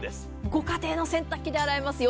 ご家庭の洗濯機で洗えますよ。